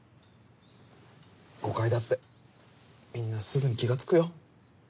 誤解だってみんなすぐに気が付くよ。